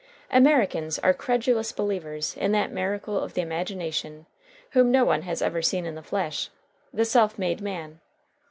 Americans are credulous believers in that miracle of the imagination whom no one has ever seen in the flesh the self made man.